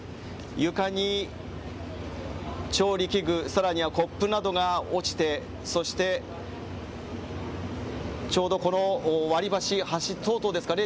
床に調理器具さらにはコップなどが落ちて、そしてちょうどこの割り箸等々ですかね。